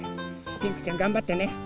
ピンクちゃんがんばってね！